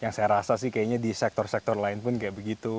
yang saya rasa sih kayaknya di sektor sektor lain pun kayak begitu